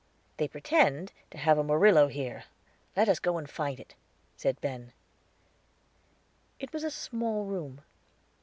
"They pretend to have a Murillo here, let us go and find it," said Ben. It was in a small room.